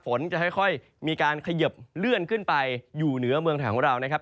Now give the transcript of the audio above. ฝนจะค่อยมีการเขยิบเลื่อนขึ้นไปอยู่เหนือเมืองไทยของเรานะครับ